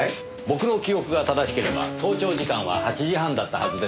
僕の記憶が正しければ登庁時間は８時半だったはずですがね。